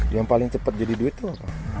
yang paling cepat jadi duit itu apa